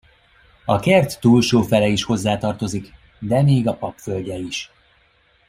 A kert túlsó fele is hozzátartozik, de még a pap földje is.